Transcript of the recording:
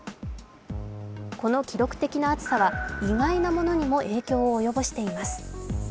この記録的な暑さは意外なものにも影響を及ぼしています。